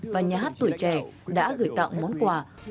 và nhà hát tuổi trẻ đã gửi tặng món quà